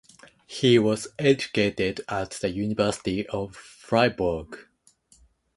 He was educated at the University of Fribourg.